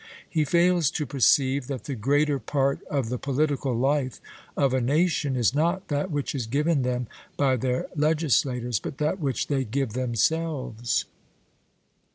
He fails to perceive that the greater part of the political life of a nation is not that which is given them by their legislators, but that which they give themselves.